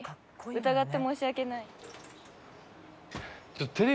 疑って申し訳ない。